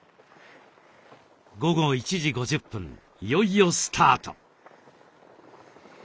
午後１時５０分いよいよスタート。